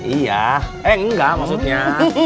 iya eh engga maksudnya